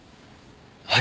はい。